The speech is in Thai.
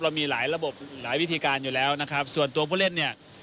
มีหลายระบบหลายวิธีการอยู่แล้วนะครับส่วนตัวผู้เล่นเนี่ย